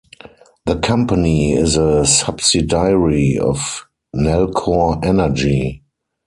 The company is a subsidiary of Nalcor Energy.